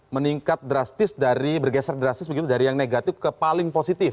meningkat drastis dari bergeser drastis begitu dari yang negatif ke paling positif